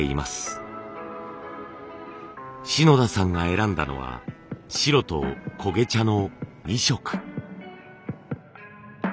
篠田さんが選んだのは白と焦げ茶の２色。